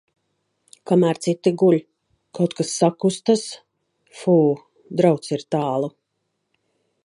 Kamēr citi guļ. Kaut kas sakustas! Fū... Drauds ir tālu.